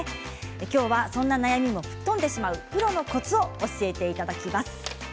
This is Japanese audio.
今日はそんな悩みも吹っ飛んでしまうプロのコツを教えていただきます。